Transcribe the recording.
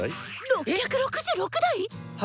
６６６台⁉え！